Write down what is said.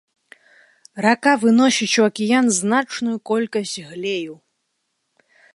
Рака выносіць у акіян значную колькасць глею.